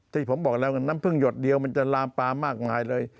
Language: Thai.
ที่ผมบอกแล้วน้ำพึ่งหยดเดียวมันจะลามปลามากมายเลย